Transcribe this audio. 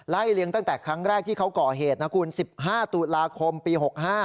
เลี้ยงตั้งแต่ครั้งแรกที่เขาก่อเหตุนะคุณ๑๕ตุลาคมปี๖๕